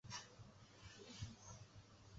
克雷佩人口变化图示